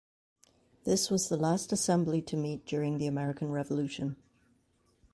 This was the last assembly to meet during the American Revolution.